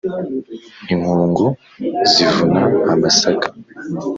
inkungu zivuna amasaka,